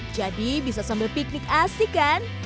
jadi bisa sambil piknik asik kan